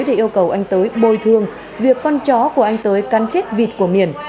để yêu cầu anh tới bồi thương việc con chó của anh tới căn chết vịt của miển